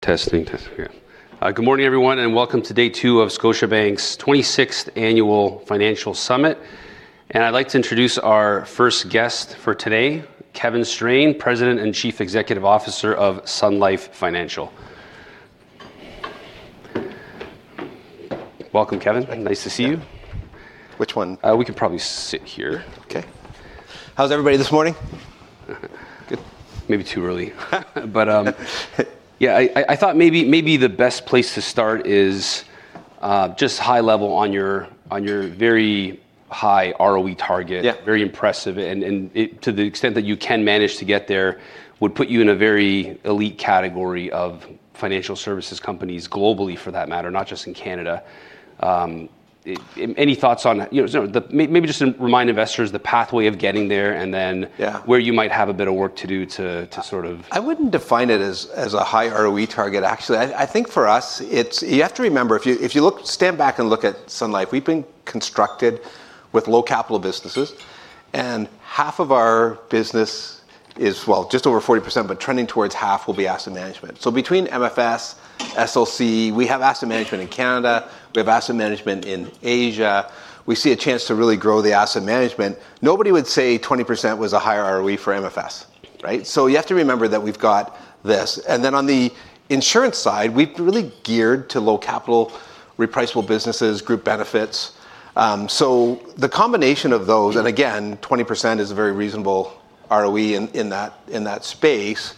... testing, testing. Yeah. Good morning, everyone, and welcome to day two of Scotiabank's 26th Annual Financials Summit. I'd like to introduce our first guest for today, Kevin Strain, President and Chief Executive Officer of Sun Life Financial. Welcome, Kevin. Thank you. Nice to see you. Which one? We can probably sit here. Okay. How's everybody this morning? Good. Maybe too early, but yeah, I thought maybe the best place to start is just high level on your very high ROE target. Yeah. Very impressive. And to the extent that you can manage to get there, would put you in a very elite category of financial services companies globally, for that matter, not just in Canada. Any thoughts on... You know, so maybe just to remind investors the pathway of getting there, and then- Yeah... where you might have a bit of work to do to sort of- I wouldn't define it as a high ROE target, actually. I think for us, it's you have to remember, if you stand back and look at Sun Life, we've been constructed with low-capital businesses, and half of our business is, well, just over 40%, but trending towards half, will be asset management. So between MFS, SLC, we have asset management in Canada, we have asset management in Asia, we see a chance to really grow the asset management. Nobody would say 20% was a high ROE for MFS, right? So you have to remember that we've got this. And then on the insurance side, we've really geared to low-capital, repriceable businesses, group benefits. So the combination of those. And again, 20% is a very reasonable ROE in that space.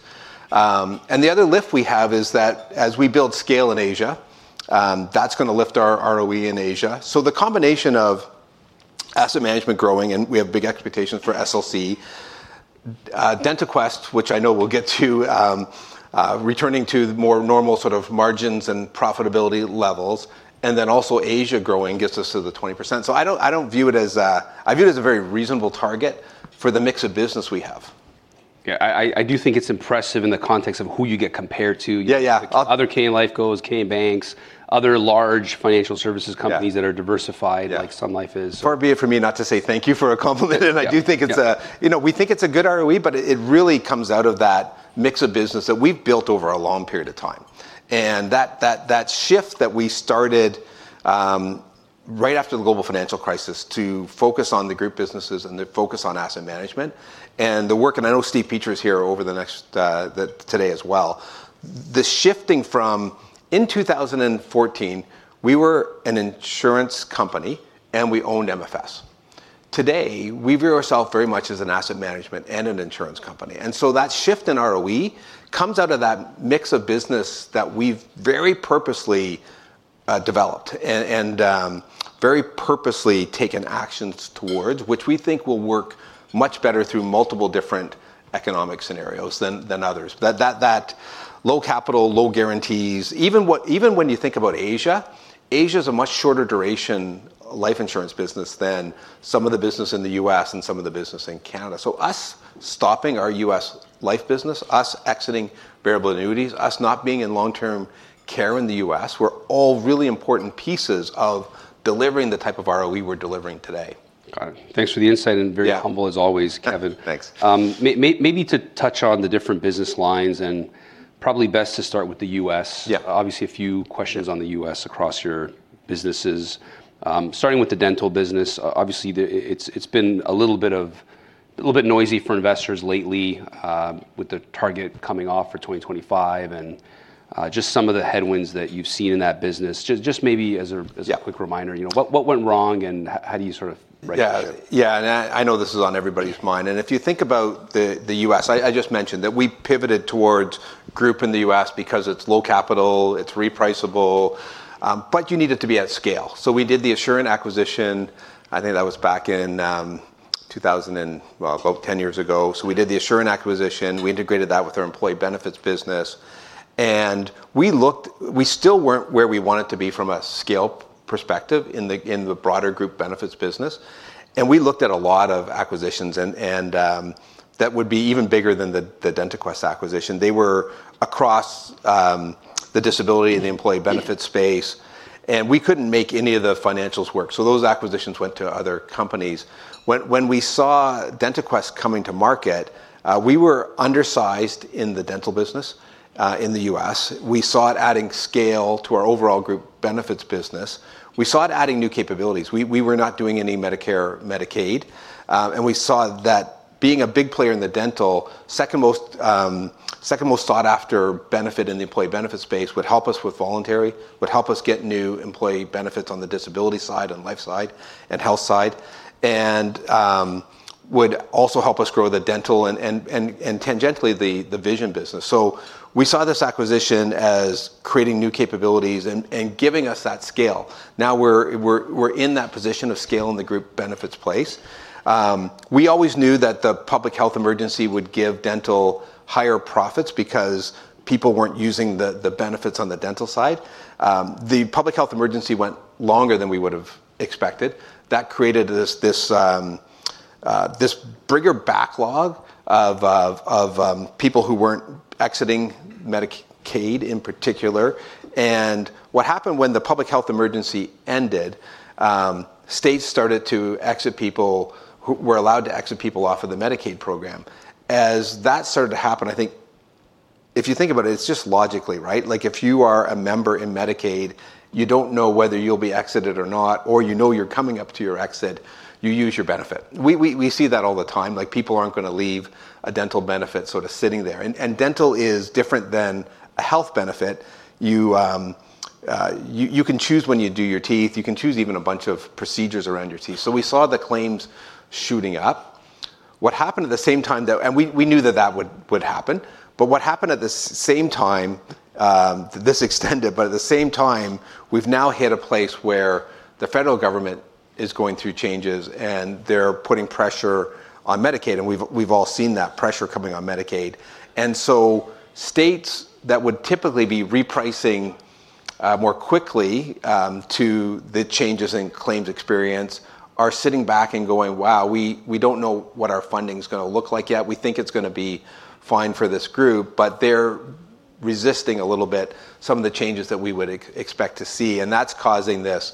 And the other lift we have is that as we build scale in Asia, that's gonna lift our ROE in Asia. So the combination of asset management growing, and we have big expectations for SLC, DentaQuest, which I know we'll get to, returning to the more normal sort of margins and profitability levels, and then also Asia growing gets us to the 20%. So I don't, I don't view it as a... I view it as a very reasonable target for the mix of business we have. Yeah, I do think it's impressive in the context of who you get compared to. Yeah, yeah. Other Canadian lifecos, Canadian banks, other large financial services companies- Yeah... that are diversified- Yeah... like Sun Life is. Far be it from me not to say thank you for a compliment. Yeah. I do think it's Yeah... you know, we think it's a good ROE, but it really comes out of that mix of business that we've built over a long period of time. That shift that we started right after the global financial crisis, to focus on the group businesses and to focus on asset management and the work. I know Steve Peacher is here over the next today as well. The shifting from. In 2014, we were an insurance company, and we owned MFS. Today, we view ourself very much as an asset management and an insurance company. That shift in ROE comes out of that mix of business that we've very purposely developed and very purposely taken actions towards, which we think will work much better through multiple different economic scenarios than others. That low capital, low guarantees. Even when you think about Asia, Asia is a much shorter duration life insurance business than some of the business in the U.S. and some of the business in Canada. So us stopping our U.S. life business, us exiting variable annuities, us not being in long-term care in the U.S., were all really important pieces of delivering the type of ROE we're delivering today. Got it. Thanks for the insight- Yeah... and very humble as always, Kevin. Thanks. Maybe to touch on the different business lines, and probably best to start with the U.S. Yeah. Obviously, a few questions on the U.S. across your businesses. Starting with the dental business, obviously, it's been a little bit noisy for investors lately, with the target coming off for 2025 and just some of the headwinds that you've seen in that business. Just maybe as a, as- Yeah... a quick reminder, you know, what went wrong, and how do you sort of right the ship? Yeah, yeah. And I know this is on everybody's mind. And if you think about the U.S., I just mentioned that we pivoted towards group in the U.S. because it's low capital, it's repriceable, but you need it to be at scale. So we did the Assurant acquisition. I think that was back in 2000 and well, about 10 years ago. So we did the Assurant acquisition. We integrated that with our employee benefits business. And we looked. We still weren't where we wanted to be from a scale perspective in the broader group benefits business, and we looked at a lot of acquisitions, and that would be even bigger than the DentaQuest acquisition. They were across the disability and the employee benefit space, and we couldn't make any of the financials work, so those acquisitions went to other companies. When we saw DentaQuest coming to market, we were undersized in the dental business in the U.S. We saw it adding scale to our overall group benefits business. We saw it adding new capabilities. We were not doing any Medicare, Medicaid, and we saw that being a big player in the dental, second most sought after benefit in the employee benefit space would help us with voluntary, would help us get new employee benefits on the disability side and life side and health side, and would also help us grow the dental and tangentially the vision business. So we saw this acquisition as creating new capabilities and giving us that scale. Now we're in that position of scale in the group benefits space. We always knew that the public health emergency would give dental higher profits because people weren't using the benefits on the dental side. The public health emergency went longer than we would have expected. That created this bigger backlog of people who weren't exiting Medicaid in particular. And what happened when the public health emergency ended, states started to exit people, were allowed to exit people off of the Medicaid program. As that started to happen, I think if you think about it, it's just logically, right? Like, if you are a member in Medicaid, you don't know whether you'll be exited or not, or you know you're coming up to your exit, you use your benefit. We see that all the time, like, people aren't gonna leave a dental benefit sort of sitting there. And dental is different than a health benefit. You can choose when you do your teeth, you can choose even a bunch of procedures around your teeth. So we saw the claims shooting up. What happened at the same time, though, and we knew that would happen, but what happened at the same time, this extended, but at the same time, we've now hit a place where the federal government is going through changes, and they're putting pressure on Medicaid, and we've all seen that pressure coming on Medicaid. And so states that would typically be repricing more quickly to the changes in claims experience are sitting back and going, "Wow, we don't know what our funding's gonna look like yet. We think it's gonna be fine for this group," but they're resisting a little bit some of the changes that we would expect to see, and that's causing this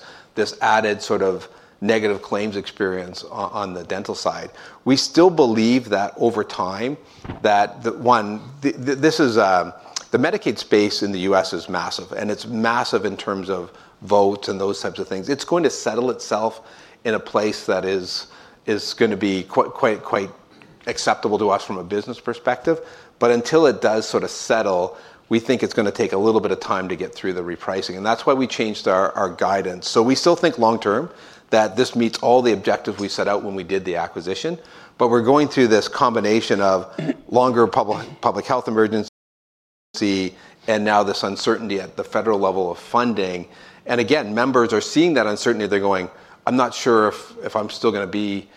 added sort of negative claims experience on the dental side. We still believe that over time, the Medicaid space in the U.S. is massive, and it's massive in terms of votes and those types of things. It's going to settle itself in a place that is gonna be quite acceptable to us from a business perspective. But until it does sort of settle, we think it's gonna take a little bit of time to get through the repricing, and that's why we changed our guidance. So we still think long-term, that this meets all the objectives we set out when we did the acquisition, but we're going through this combination of longer public health emergency, and now this uncertainty at the federal level of funding. And again, members are seeing that uncertainty. They're going, "I'm not sure if I'm still gonna be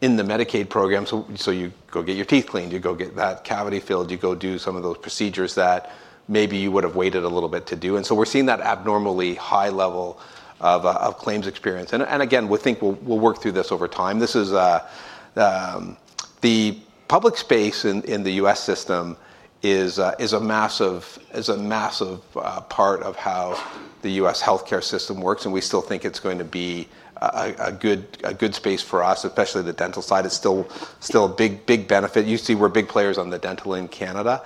in the Medicaid program," so you go get your teeth cleaned, you go get that cavity filled, you go do some of those procedures that maybe you would've waited a little bit to do. And so we're seeing that abnormally high level of claims experience. And again, we think we'll work through this over time. This is the public space in the U.S. system is a massive part of how the U.S. healthcare system works, and we still think it's going to be a good space for us, especially the dental side. It's still a big benefit. You see we're big players on the dental in Canada,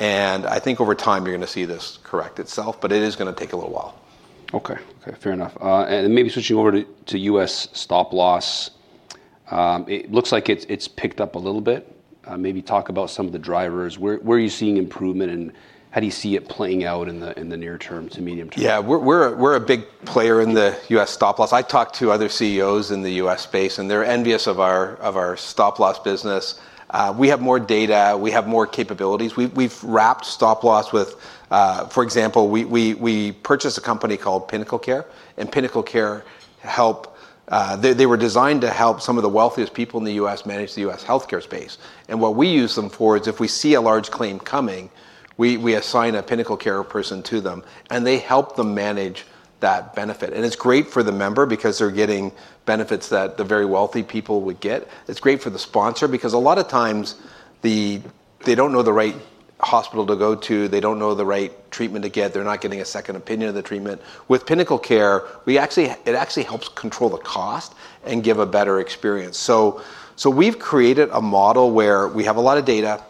and I think over time you're gonna see this correct itself, but it is gonna take a little while. Okay. Okay, fair enough, and maybe switching over to U.S. stop-loss. It looks like it's picked up a little bit. Maybe talk about some of the drivers. Where are you seeing improvement, and how do you see it playing out in the near term to medium term? Yeah, we're a big player in the U.S. stop-loss. I talked to other CEOs in the U.S. space, and they're envious of our stop-loss business. We have more data, we have more capabilities. We've wrapped stop-loss with... For example, we purchased a company called PinnacleCare, and they were designed to help some of the wealthiest people in the U.S. manage the U.S. healthcare space. And what we use them for is, if we see a large claim coming, we assign a PinnacleCare person to them, and they help them manage that benefit. And it's great for the member because they're getting benefits that the very wealthy people would get. It's great for the sponsor because a lot of times, they don't know the right hospital to go to, they don't know the right treatment to get, they're not getting a second opinion of the treatment. With PinnacleCare, it actually helps control the cost and give a better experience. So we've created a model where we have a lot of data,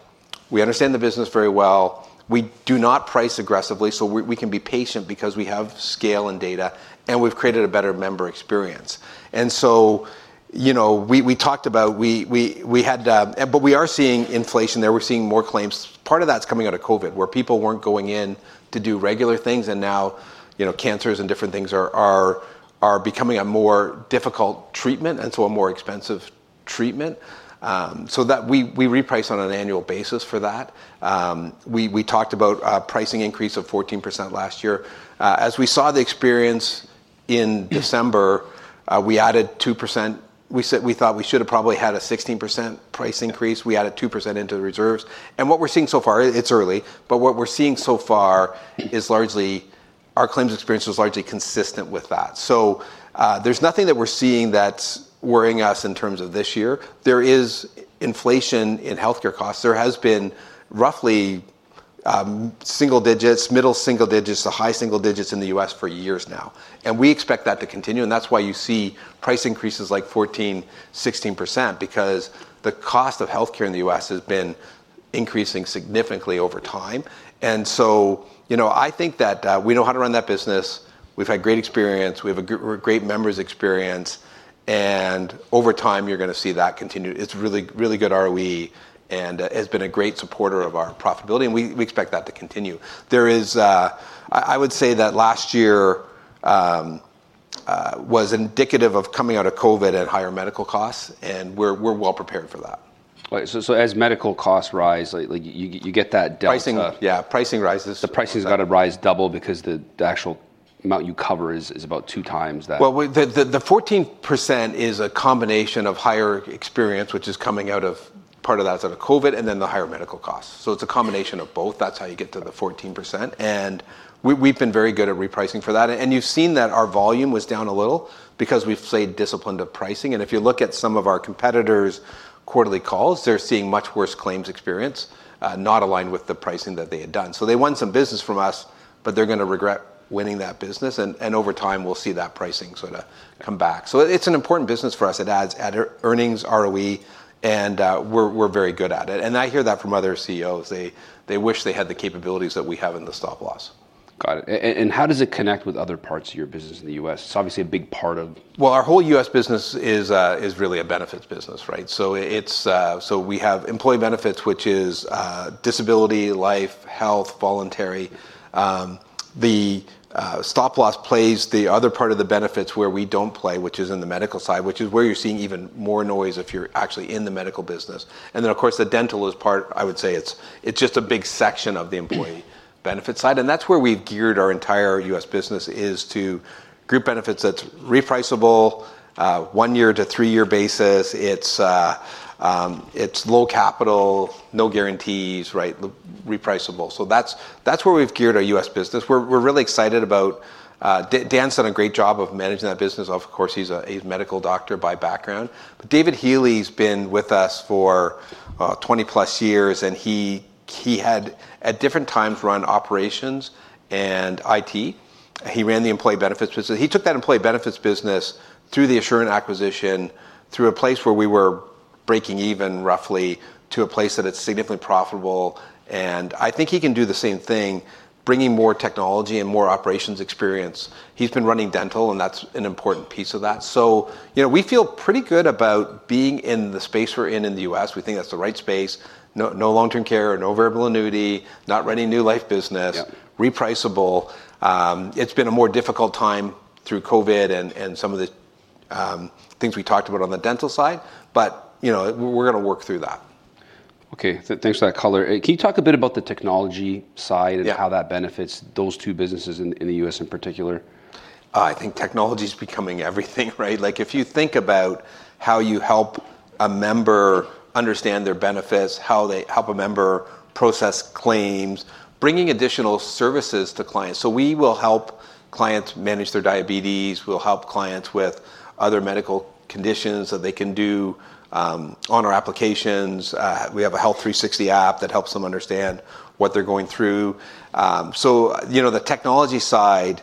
we understand the business very well, we do not price aggressively, so we can be patient because we have scale and data, and we've created a better member experience. And so, you know, we had... But we are seeing inflation there, we're seeing more claims. Part of that's coming out of COVID, where people weren't going in to do regular things, and now, you know, cancers and different things are becoming a more difficult treatment, and so a more expensive treatment. So that we reprice on an annual basis for that. We talked about a pricing increase of 14% last year. As we saw the experience in December, we added 2%. We said we thought we should have probably had a 16% price increase. We added 2% into the reserves, and what we're seeing so far. It's early, but what we're seeing so far is largely our claims experience was largely consistent with that, so there's nothing that we're seeing that's worrying us in terms of this year. There is inflation in healthcare costs. There has been roughly single digits, middle single digits to high single digits in the U.S. for years now, and we expect that to continue, and that's why you see price increases like 14%-16%, because the cost of healthcare in the U.S. has been increasing significantly over time. And so, you know, I think that we know how to run that business. We've had great experience, we have a great members' experience, and over time, you're gonna see that continue. It's really, really good ROE and has been a great supporter of our profitability, and we expect that to continue. There is, I would say, that last year was indicative of coming out of COVID at higher medical costs, and we're well prepared for that. Right. So as medical costs rise, like, you get that delta- Pricing, yeah, pricing rises. The pricing's got to rise double because the actual amount you cover is about two times that. The 14% is a combination of higher experience, which is coming out of... Part of that's out of COVID, and then the higher medical costs. So it's a combination of both. That's how you get to the 14%. And we've been very good at repricing for that. And you've seen that our volume was down a little because we've played disciplined to pricing. And if you look at some of our competitors' quarterly calls, they're seeing much worse claims experience, not aligned with the pricing that they had done. So they won some business from us-... but they're gonna regret winning that business, and over time, we'll see that pricing sort of come back. So it's an important business for us. It adds earnings, ROE, and we're very good at it. And I hear that from other CEOs. They wish they had the capabilities that we have in the stop-loss. Got it. And how does it connect with other parts of your business in the U.S.? It's obviously a big part of- Our whole U.S. business is really a benefits business, right? So we have employee benefits, which is disability, life, health, voluntary. The stop-loss plays the other part of the benefits where we don't play, which is in the medical side, which is where you're seeing even more noise if you're actually in the medical business. And then, of course, the dental is part... I would say it's just a big section of the employee- Mm... benefit side, and that's where we've geared our entire U.S. business, is to group benefits that's repriceable, one-year to three-year basis. It's, it's low capital, no guarantees, right? The repriceable. So that's where we've geared our U.S. business. We're really excited about... Dan's done a great job of managing that business. Of course, he's a medical doctor by background. But David Healy's been with us for 20-plus years, and he had, at different times, run operations and IT. He ran the employee benefits business. He took that employee benefits business through the Assurant acquisition, through a place where we were breaking even, roughly, to a place that it's significantly profitable, and I think he can do the same thing, bringing more technology and more operations experience. He's been running dental, and that's an important piece of that. So, you know, we feel pretty good about being in the space we're in in the U.S. We think that's the right space. No, no long-term care, no variable annuity, not running new life business- Yeah... repriceable. It's been a more difficult time through COVID and some of the things we talked about on the dental side, but, you know, we're gonna work through that. Okay. Thanks for that color. Can you talk a bit about the technology side? Yeah... and how that benefits those two businesses in the U.S. in particular? I think technology's becoming everything, right? Like, if you think about how you help a member understand their benefits, how they help a member process claims, bringing additional services to clients. So we will help clients manage their diabetes, we'll help clients with other medical conditions that they can do on our applications. We have a Health 360 app that helps them understand what they're going through. So, you know, the technology side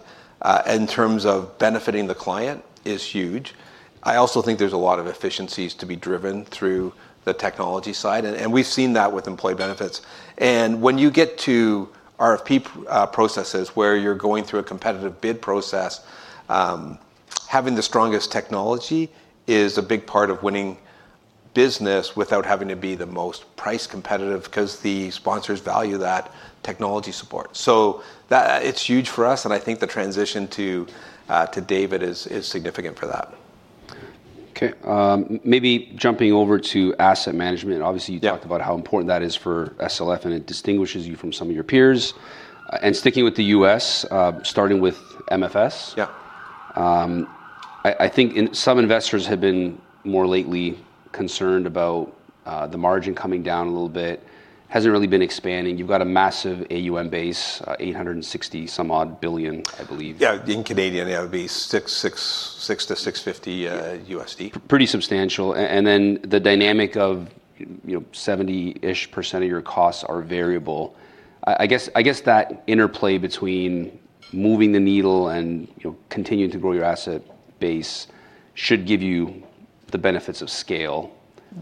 in terms of benefiting the client is huge. I also think there's a lot of efficiencies to be driven through the technology side, and we've seen that with employee benefits. When you get to RFP processes, where you're going through a competitive bid process, having the strongest technology is a big part of winning business without having to be the most price competitive, 'cause the sponsors value that technology support. So, that's huge for us, and I think the transition to David is significant for that. Okay, maybe jumping over to asset management. Obviously- Yeah... you talked about how important that is for SLF, and it distinguishes you from some of your peers, and sticking with the U.S., starting with MFS- Yeah... some investors have been more lately concerned about the margin coming down a little bit. Hasn't really been expanding. You've got a massive AUM base, 860-some odd billion, I believe. Yeah, in Canadian, that would be $660-$650. Pretty substantial. And then the dynamic of, you know, 70-ish% of your costs are variable. I guess that interplay between moving the needle and, you know, continuing to grow your asset base should give you the benefits of scale-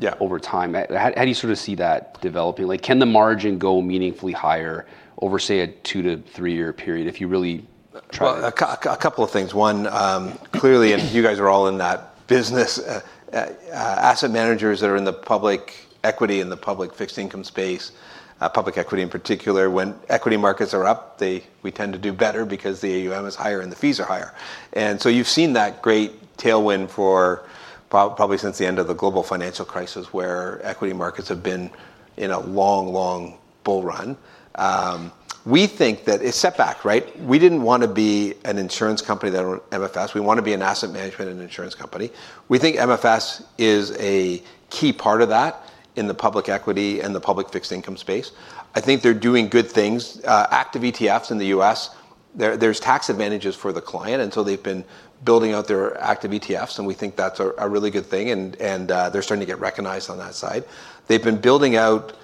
Yeah... over time. How, how do you sort of see that developing? Like, can the margin go meaningfully higher over, say, a two-to-three-year period if you really try? A couple of things. One, clearly, and you guys are all in that business. Asset managers that are in the public equity and the public fixed income space, public equity in particular, when equity markets are up, we tend to do better because the AUM is higher and the fees are higher. And so you've seen that great tailwind for probably since the end of the global financial crisis, where equity markets have been in a long, long bull run. We think that a setback, right? We didn't wanna be an insurance company that were MFS. We wanna be an asset management and insurance company. We think MFS is a key part of that in the public equity and the public fixed income space. I think they're doing good things. Active ETFs in the U.S., there's tax advantages for the client, and so they've been building out their active ETFs, and we think that's a really good thing, and they're starting to get recognized on that side. They've been building out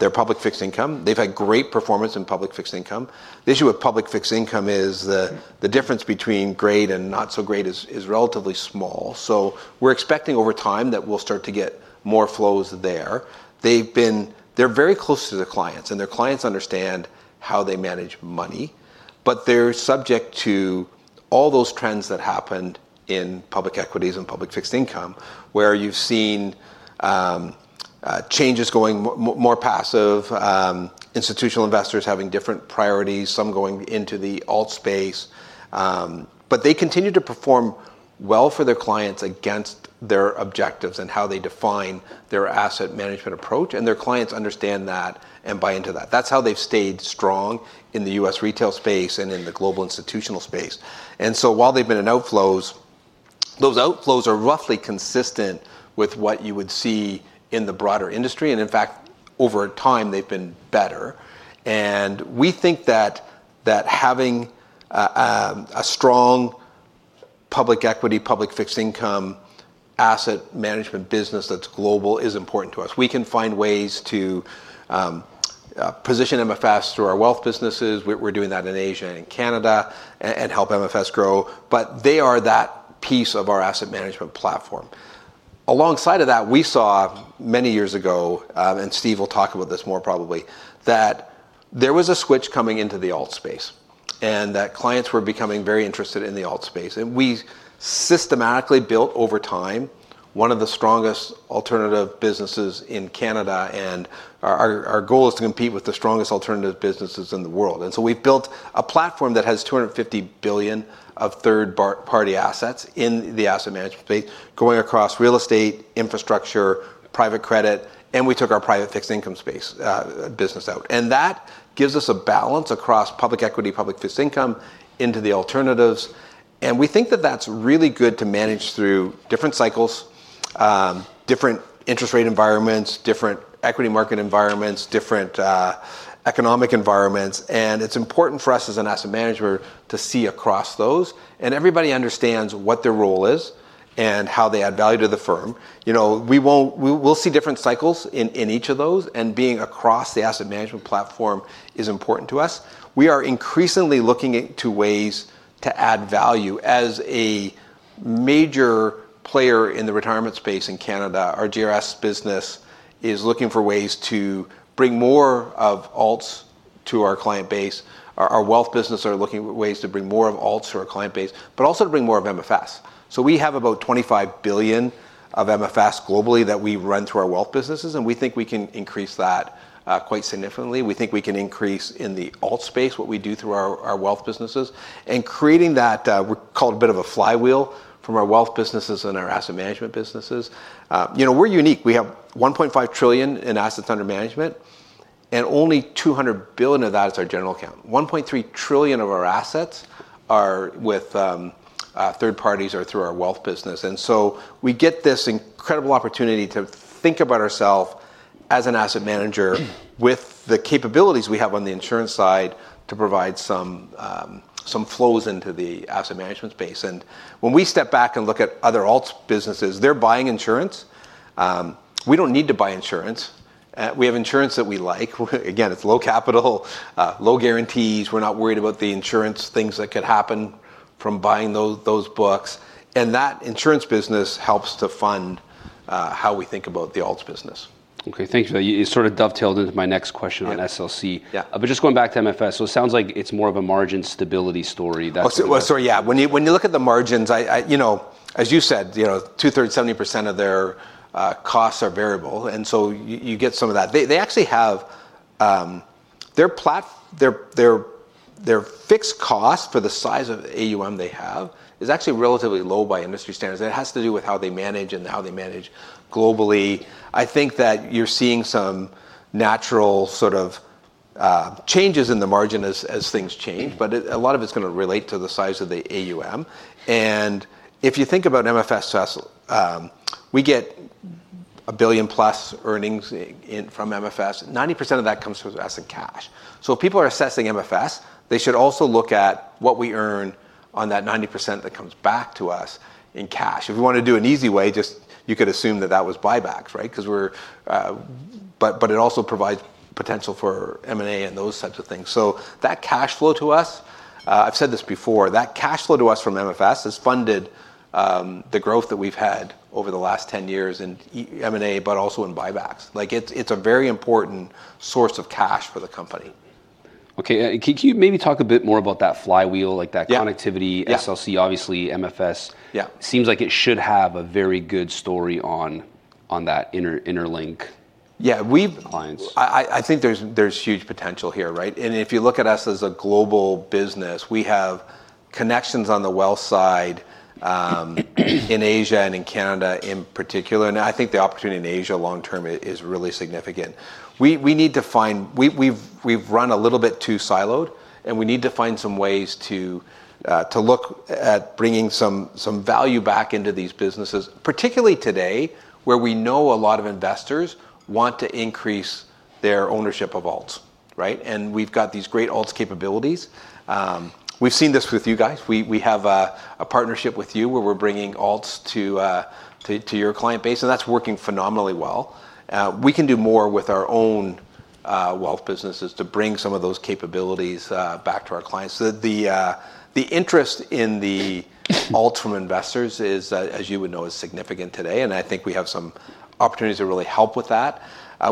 their public fixed income. They've had great performance in public fixed income. The issue with public fixed income is the difference between great and not so great is relatively small. So we're expecting, over time, that we'll start to get more flows there. They're very close to their clients, and their clients understand how they manage money, but they're subject to all those trends that happened in public equities and public fixed income, where you've seen changes going more passive, institutional investors having different priorities, some going into the alt space. But they continue to perform well for their clients against their objectives and how they define their asset management approach, and their clients understand that and buy into that. That's how they've stayed strong in the U.S. retail space and in the global institutional space. And so while they've been in outflows, those outflows are roughly consistent with what you would see in the broader industry, and in fact, over time, they've been better. And we think that having a strong public equity, public fixed income, asset management business that's global is important to us. We can find ways to position MFS through our wealth businesses. We're doing that in Asia and in Canada and help MFS grow, but they are that piece of our asset management platform. Alongside of that, we saw many years ago, and Steve will talk about this more probably, that there was a switch coming into the alt space, and that clients were becoming very interested in the alt space. We systematically built, over time, one of the strongest alternative businesses in Canada, and our goal is to compete with the strongest alternative businesses in the world. So we've built a platform that has 250 billion of third-party assets in the asset management space, going across real estate, infrastructure, private credit, and we took our private fixed income space business out. That gives us a balance across public equity, public fixed income, into the alternatives, and we think that that's really good to manage through different cycles, different interest rate environments, different equity market environments, different economic environments. And it's important for us as an asset manager to see across those. Everybody understands what their role is and how they add value to the firm. You know, we will see different cycles in each of those, and being across the asset management platform is important to us. We are increasingly looking into ways to add value. As a major player in the retirement space in Canada, our GRS business is looking for ways to bring more of alts to our client base. Our wealth business are looking at ways to bring more of alts to our client base, but also to bring more of MFS. So we have about 25 billion of MFS globally that we run through our wealth businesses, and we think we can increase that quite significantly. We think we can increase in the alt space, what we do through our wealth businesses, and creating that, we call it a bit of a flywheel from our wealth businesses and our asset management businesses. You know, we're unique. We have 1.5 trillion in assets under management, and only 200 billion of that is our general account. 1.3 trillion of our assets are with third parties or through our wealth business. And so we get this incredible opportunity to think about ourself as an asset manager with the capabilities we have on the insurance side to provide some flows into the asset management space. And when we step back and look at other alts businesses, they're buying insurance. We don't need to buy insurance. We have insurance that we like. Again, it's low capital, low guarantees. We're not worried about the insurance, things that could happen from buying those books, and that insurance business helps to fund how we think about the alts business. Okay, thank you. You sort of dovetailed into my next question. Yeah on SLC. Yeah. But just going back to MFS, so it sounds like it's more of a margin stability story that. Well, so yeah, when you look at the margins, You know, as you said, you know, two-thirds, 70% of their costs are variable, and so you get some of that. They actually have. Their fixed cost for the size of AUM they have is actually relatively low by industry standards, and it has to do with how they manage and how they manage globally. I think that you're seeing some natural sort of changes in the margin as things change, but a lot of it's gonna relate to the size of the AUM. And if you think about MFS, we get a billion-plus earnings in from MFS. 90% of that comes to us in cash. So if people are assessing MFS, they should also look at what we earn on that 90% that comes back to us in cash. If you wanna do an easy way, just you could assume that that was buybacks, right? 'Cause we're. But it also provides potential for M&A and those types of things. So that cash flow to us, I've said this before, that cash flow to us from MFS has funded the growth that we've had over the last 10 years in M&A, but also in buybacks. Like, it's a very important source of cash for the company. Okay. Can you maybe talk a bit more about that flywheel, like that connectivity? Yeah. SLC, obviously, MFS. Yeah. Seems like it should have a very good story on that interlink. Yeah, we've clients. I think there's huge potential here, right? And if you look at us as a global business, we have connections on the wealth side in Asia and in Canada in particular, and I think the opportunity in Asia long term is really significant. We've run a little bit too siloed, and we need to find some ways to look at bringing some value back into these businesses, particularly today, where we know a lot of investors want to increase their ownership of alts, right? And we've got these great alts capabilities. We've seen this with you guys. We have a partnership with you, where we're bringing alts to your client base, and that's working phenomenally well. We can do more with our own wealth businesses to bring some of those capabilities back to our clients. So the interest in the alts from investors is, as you would know, significant today, and I think we have some opportunities to really help with that.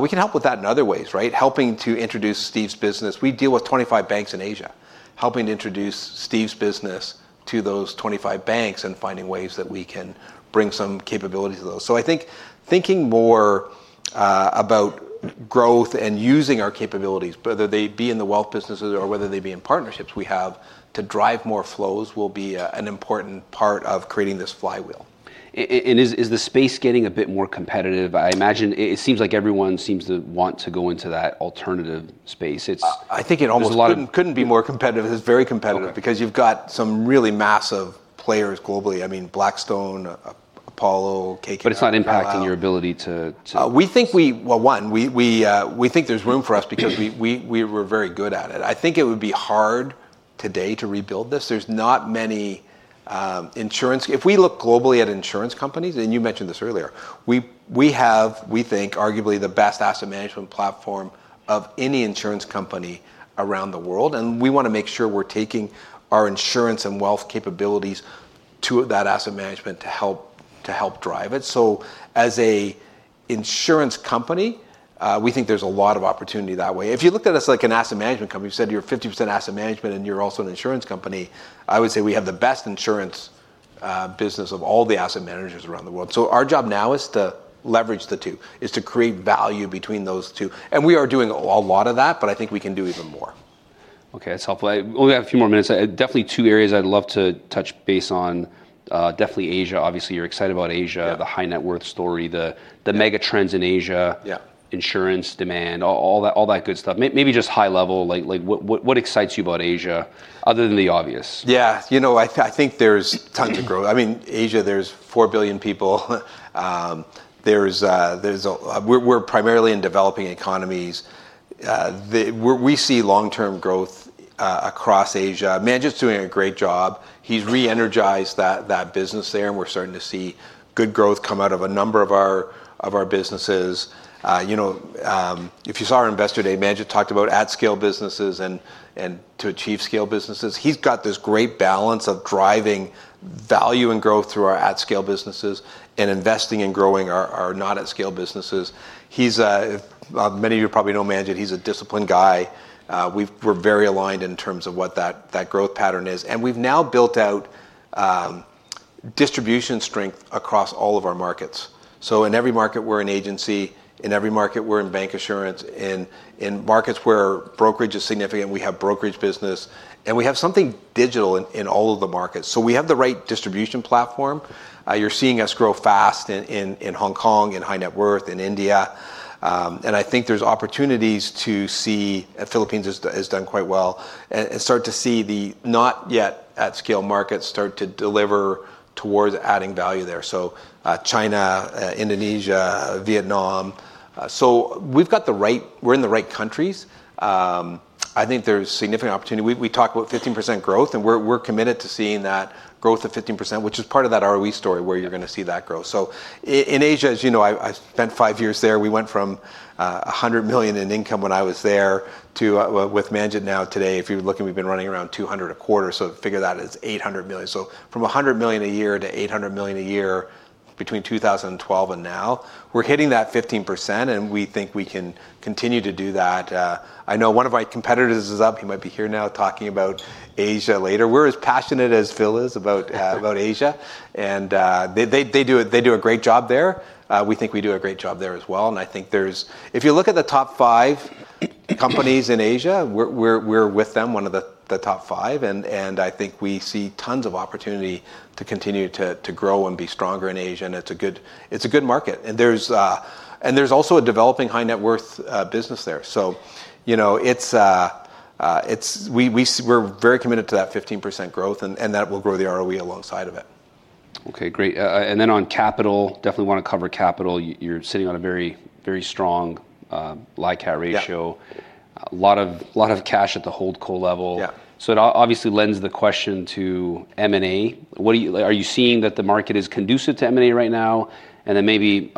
We can help with that in other ways, right? Helping to introduce Steve's business. We deal with 25 banks in Asia, helping to introduce Steve's business to those 25 banks and finding ways that we can bring some capabilities to those. So I think thinking more about growth and using our capabilities, whether they be in the wealth businesses or whether they be in partnerships we have, to drive more flows will be an important part of creating this flywheel. And is the space getting a bit more competitive? I imagine. It seems like everyone seems to want to go into that alternative space. It's. I think it almost. There's a lot of. Couldn't be more competitive. It's very competitive. Okay. Because you've got some really massive players globally. I mean, Blackstone, Apollo, KKR. But it's not impacting your ability to We think there's room for us because we were very good at it. I think it would be hard today to rebuild this. There's not many insurance companies. If we look globally at insurance companies, and you mentioned this earlier, we have, we think, arguably the best asset management platform of any insurance company around the world, and we wanna make sure we're taking our insurance and wealth capabilities to that asset management to help drive it. So as a insurance company, we think there's a lot of opportunity that way. If you looked at us like an asset management company, you said you're 50% asset management and you're also an insurance company, I would say we have the best insurance business of all the asset managers around the world. So our job now is to leverage the two, is to create value between those two, and we are doing a lot of that, but I think we can do even more. Okay, that's helpful. We only have a few more minutes. Definitely two areas I'd love to touch base on. Definitely Asia. Obviously, you're excited about Asia- Yeah... the high net worth story, Yeah... the mega trends in Asia- Yeah... insurance, demand, all that good stuff. Maybe just high level, like, what excites you about Asia, other than the obvious? Yeah. You know, I think there's tons of growth. I mean, Asia, there's four billion people. There's, we're primarily in developing economies. We see long-term growth across Asia. Manjit's doing a great job. He's re-energized that, that business there, and we're starting to see good growth come out of a number of our businesses. You know, if you saw our Investor Day, Manjit talked about at-scale businesses and to achieve scale businesses. He's got this great balance of driving value and growth through our at-scale businesses and investing in growing our not at scale businesses. He's. Well, many of you probably know Manjit. He's a disciplined guy. We're very aligned in terms of what that growth pattern is, and we've now built out distribution strength across all of our markets. So in every market, we're an agency. In every market, we're in bank insurance. In markets where brokerage is significant, we have brokerage business, and we have something digital in all of the markets. So we have the right distribution platform. You're seeing us grow fast in Hong Kong, in high net worth, in India, and I think there's opportunities to see. Philippines has done quite well, and start to see the not yet at scale markets start to deliver towards adding value there, so China, Indonesia, Vietnam. So we're in the right countries. I think there's significant opportunity. We talked about 15% growth, and we're committed to seeing that growth of 15%, which is part of that ROE story where you're gonna see that growth. So in Asia, as you know, I spent five years there. We went from 100 million in income when I was there to, well, with Manjit now today, if you're looking, we've been running around 200 million a quarter, so figure that as 800 million. So from 100 million a year to 800 million a year between 2012 and now. We're hitting that 15%, and we think we can continue to do that. I know one of our competitors is up. He might be here now talking about Asia later. We're as passionate as Phil is about Asia, and they do a great job there. We think we do a great job there as well, and I think if you look at the top five companies in Asia, we're with them, one of the top five, and I think we see tons of opportunity to continue to grow and be stronger in Asia, and it's a good market. There's also a developing high net worth business there. You know, we're very committed to that 15% growth, and that will grow the ROE alongside of it. Okay, great. And then on capital, definitely wanna cover capital. You're sitting on a very, very strong, LICAT ratio. Yeah. A lot of cash at the HoldCo level. Yeah. So it obviously lends the question to M&A. What do you... Are you seeing that the market is conducive to M&A right now? And then maybe,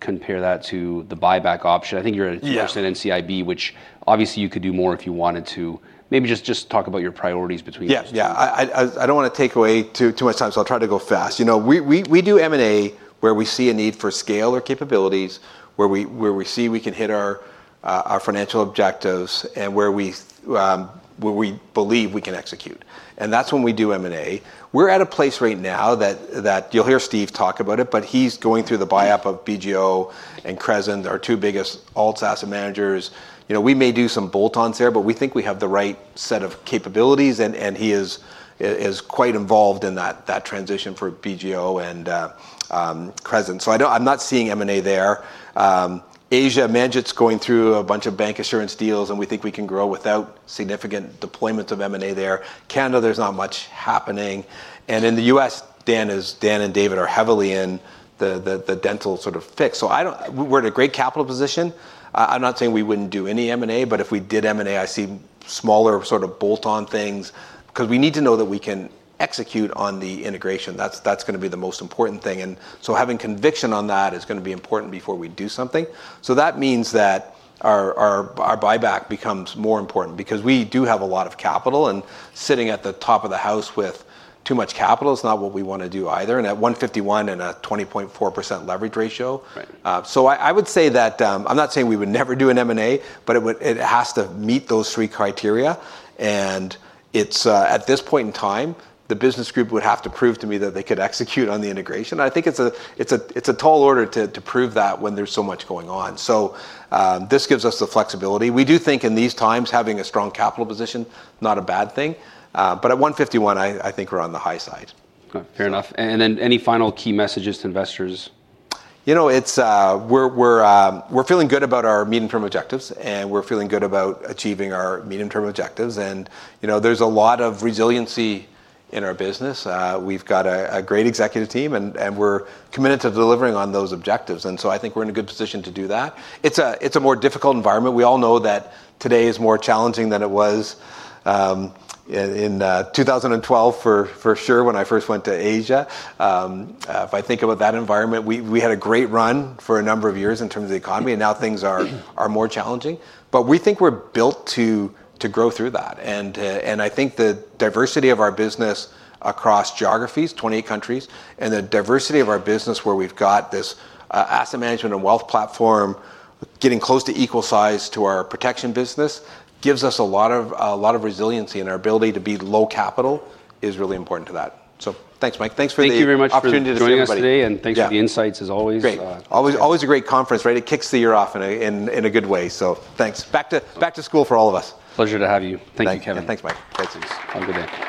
compare that to the buyback option. I think you're at- Yeah ...% NCIB, which obviously you could do more if you wanted to. Maybe just talk about your priorities between those two. Yeah, yeah. I don't wanna take away too much time, so I'll try to go fast. You know, we do M&A where we see a need for scale or capabilities, where we see we can hit our financial objectives and where we believe we can execute, and that's when we do M&A. We're at a place right now that... You'll hear Steve talk about it, but he's going through the buyout of BGO and Crescent, our two biggest alts asset managers. You know, we may do some bolt-ons there, but we think we have the right set of capabilities, and he is quite involved in that transition for BGO and Crescent. So I don't - I'm not seeing M&A there. Asia, Manjit's going through a bunch of bank insurance deals, and we think we can grow without significant deployment of M&A there. Canada, there's not much happening, and in the U.S., Dan and David are heavily in the dental sort of fix. So we're at a great capital position. I'm not saying we wouldn't do any M&A, but if we did M&A, I see smaller sort of bolt-on things, 'cause we need to know that we can execute on the integration. That's gonna be the most important thing, and so having conviction on that is gonna be important before we do something. So that means that our buyback becomes more important because we do have a lot of capital, and sitting at the top of the house with too much capital is not what we wanna do either, and at 151% and a 20.4% leverage ratio. Right So I would say that, I'm not saying we would never do an M&A, but it has to meet those three criteria, and it's at this point in time, the business group would have to prove to me that they could execute on the integration. I think it's a tall order to prove that when there's so much going on. So this gives us the flexibility. We do think, in these times, having a strong capital position, not a bad thing, but at 151, I think we're on the high side. Okay, fair enough. And then any final key messages to investors? You know, we're feeling good about our medium-term objectives, and we're feeling good about achieving our medium-term objectives. And, you know, there's a lot of resiliency in our business. We've got a great executive team, and we're committed to delivering on those objectives, and so I think we're in a good position to do that. It's a more difficult environment. We all know that today is more challenging than it was in 2012, for sure, when I first went to Asia. If I think about that environment, we had a great run for a number of years in terms of the economy, and now things are- Mm... are more challenging. But we think we're built to grow through that, and I think the diversity of our business across geographies, 28 countries, and the diversity of our business where we've got this asset management and wealth platform getting close to equal size to our protection business, gives us a lot of resiliency, and our ability to be low capital is really important to that. So thanks, Mike. Thanks for the- Thank you very much for opportunity to see everybody. Joining us today, and Yeah... thanks for the insights, as always. Great. Uh, thanks. Always, always a great conference, right? It kicks the year off in a good way, so thanks. Back to school for all of us. Pleasure to have you. Thank you. Thank you, Kevin. Thanks, Mike. Thanks. Have a good day.